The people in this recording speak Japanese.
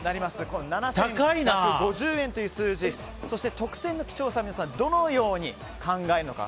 この７１５０円という数字そして特選の貴重さを皆さん、どのように考えるのか。